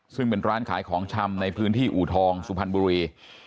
ซึ่งเป็นร้านขายของชำในพื้นที่อูทองสุพรรณบุรี